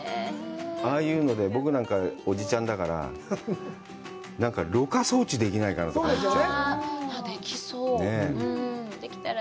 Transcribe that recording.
ああいうので僕なんかおじちゃんだから、ろ過装置ができないかなとか思っちゃう。